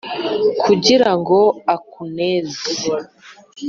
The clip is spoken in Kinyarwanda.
Kugira ngo akuneze